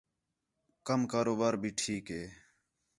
کم کاروبار بھی ٹھیک ہِے